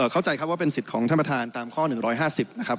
เข้าใจครับว่าเป็นสิทธิ์ของท่านประธานตามข้อ๑๕๐นะครับ